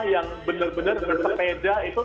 yang benar benar bersepeda itu